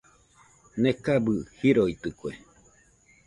Nekabɨ jiroitɨkue.